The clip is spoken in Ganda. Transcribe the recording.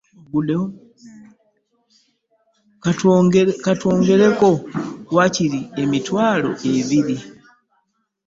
Ka twongereko waakiri emitwalo ebiri.